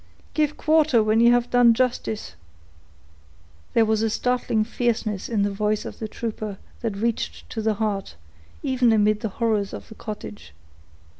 —give quarter when you have done justice!" There was a startling fierceness in the voice of the trooper that reached to the heart, even amid the horrors of the cottage.